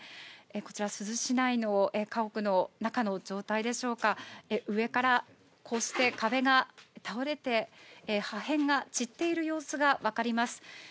こちら、珠洲市内の家屋の中の状態でしょうか、上から、こうして壁が倒れて、破片が散っている様子が分かります。